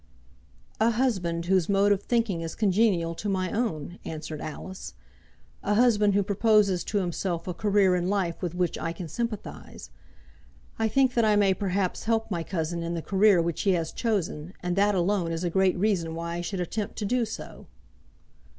"A husband whose mode of thinking is congenial to my own," answered Alice. "A husband who proposes to himself a career in life with which I can sympathize. I think that I may perhaps help my cousin in the career which he has chosen, and that alone is a great reason why I should attempt to do so."